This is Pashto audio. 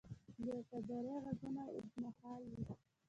د وفادارۍ ږغونه اوږدمهاله وي.